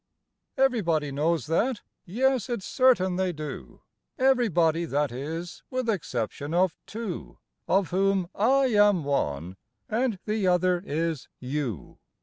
Everybody knows that? Yes, it's certain they do, Everybody, that is, with exception of two, Of whom I am one and the other is you.